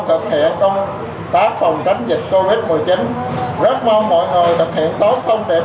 thực hiện công tác phòng tránh dịch covid một mươi chín rất mong mọi người thực hiện tốt thông điệp năm k